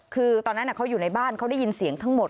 คือตอนนั้นเขาอยู่ในบ้านเขาได้ยินเสียงทั้งหมด